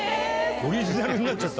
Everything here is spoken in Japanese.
オリジナルになっちゃった。